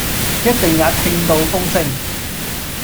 一定也聽到風聲，